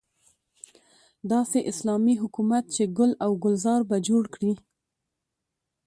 داسې اسلامي حکومت چې ګل او ګلزار به جوړ کړي.